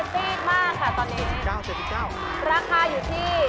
ซีดมากค่ะตอนนี้